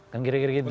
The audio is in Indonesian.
kan kira kira gitu